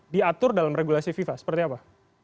diatur dalam regulasi fifa seperti apa